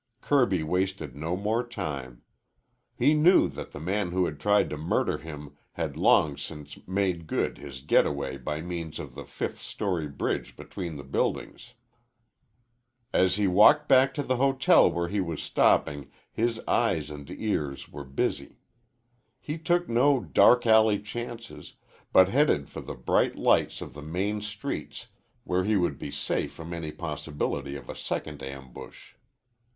Kirby wasted no more time. He knew that the man who had tried to murder him had long since made good his getaway by means of the fifth story bridge between the buildings. As he walked back to the hotel where he was stopping his eyes and ears were busy. He took no dark alley chances, but headed for the bright lights of the main streets where he would be safe from any possibility of a second ambush.